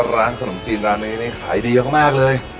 ร้านขนมจีนร้านนี้ขายดีเยอะมากเลย